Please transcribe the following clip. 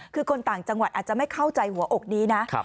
คือคนต่างจังหวัดอาจจะไม่เข้าใจหัวอกนี้นะ